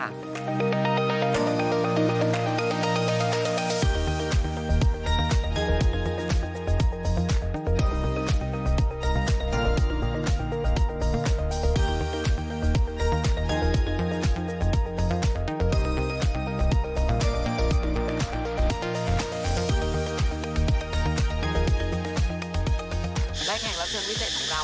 ซึ่งซืมออกไปจนรบทราบ